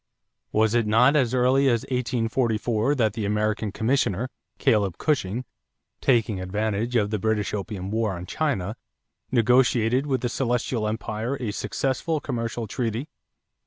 Was it not as early as 1844 that the American commissioner, Caleb Cushing, taking advantage of the British Opium War on China, negotiated with the Celestial Empire a successful commercial treaty?